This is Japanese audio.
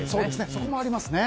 そこもありますね。